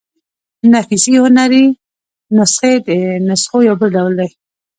نفیسي هنري نسخې د نسخو يو بل ډول دﺉ.